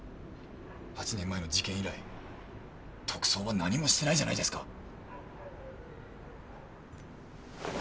８年前の事件以来特捜は何もしてないじゃないですか。